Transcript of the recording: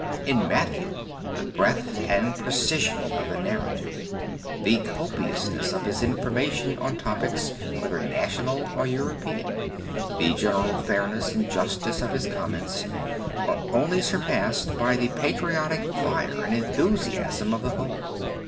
In Matthew the breadth and precision of the narrative, the copiousness of his information on topics whether national or European, the general fairness and justice of his comments, are only surpassed by the patriotic fire and enthusiasm of the whole.